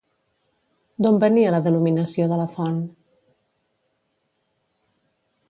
D'on venia la denominació de la font?